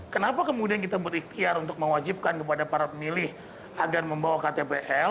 kenapa kemudian kita berikhtiar untuk mewajibkan kepada para pemilih agar membawa ktpl